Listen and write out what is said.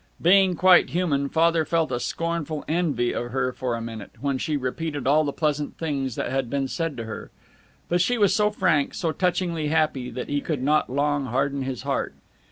Being quite human, Father felt a scornful envy of her for a minute, when she repeated all the pleasant things that had been said to her. But she was so frank, so touchingly happy, that he could not long harden his heart.